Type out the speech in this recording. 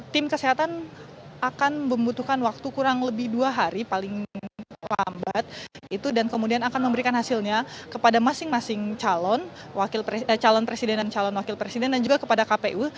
tim kesehatan akan membutuhkan waktu kurang lebih dua hari paling lambat dan kemudian akan memberikan hasilnya kepada masing masing calon presiden dan calon wakil presiden dan juga kepada kpu